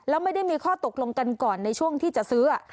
แล้วไม่ได้มีข้อตกลงกันก่อนในช่วงที่จะซื้อ